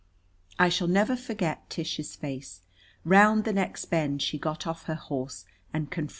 I shall never forget Tish's face. Round the next bend she got off her horse and confronted Aggie.